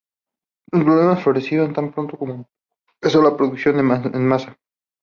Los problemas florecieron tan pronto como empezó la producción en masa.